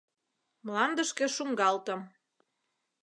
Мландышке шуҥгалтым.